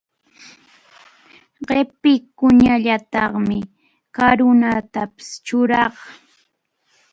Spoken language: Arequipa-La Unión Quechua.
Qʼipiqkunallataqmi karunatapas churaq.